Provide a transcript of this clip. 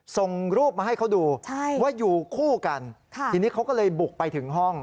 ส่งรูปมาให้เขาดูว่าอยู่คู่กันทีนี้เขาก็เลยบุกไปถึงห้อง